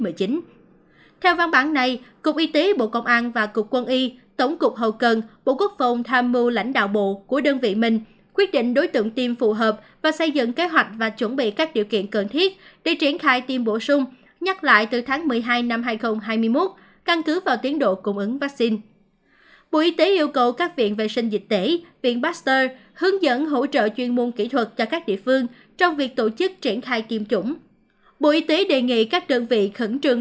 bộ y tế đề nghị sở y tế các địa phương tham mưu chủ tịch ủy ban nhân dân tỉnh quyết định đối tượng tiêm phù hợp với tình hình thực tiễn và yêu cầu phòng chống dịch trên địa bàn